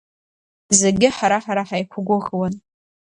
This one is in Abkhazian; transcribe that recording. Зегьы ҳара-ҳара ҳаиқәгәыӷуан.